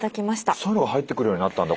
そういうのが入ってくるようになったんだ。